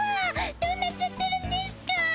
どうなっちゃってるんですか！？